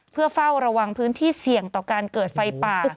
เพื่อเฝ้าระวังพื้นที่เสี่ยงต่อการเกิดไฟป่า